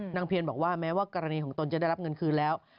เพียนบอกว่าแม้ว่ากรณีของตนจะได้รับเงินคืนแล้ว